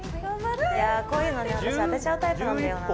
こういうの私当てちゃうタイプなんだよな。